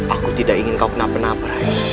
aku tidak ingin kau kenapa napa